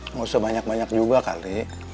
nggak usah banyak banyak juga kali